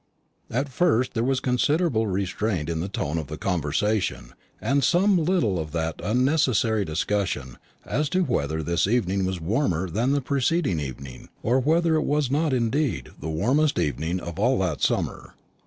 At first there was considerable restraint in the tone of the conversation, and some little of that unnecessary discussion as to whether this evening was warmer than the preceding evening, or whether it was not, indeed, the warmest evening of all that summer.